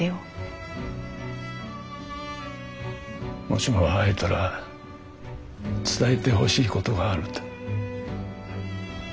「もしも会えたら伝えてほしいことがある」と。